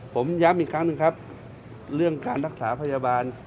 ผมย้ำอีกครั้งหนึ่งครับเรื่องการรักษาพยาบาล